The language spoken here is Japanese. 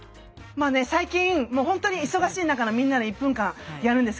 最近もうほんとに忙しい中のみんなの１分間やるんですけどね。